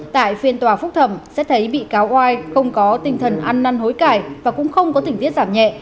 tại phiên tòa phúc thẩm xét thấy bị cáo oai không có tinh thần ăn năn hối cải và cũng không có tình tiết giảm nhẹ